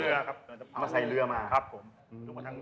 เอาใส่เรือมา